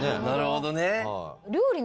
なるほどね。